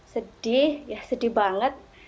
sedih ya sedih banget